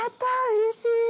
うれしい！